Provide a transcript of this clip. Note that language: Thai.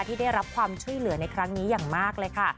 ที่ได้รับความช่วยเหลือในครั้งนี้อย่างมากเลยค่ะ